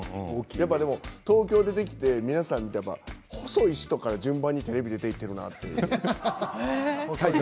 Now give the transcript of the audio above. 東京に出てきてみんな細い人から順番にテレビに出ていているなって。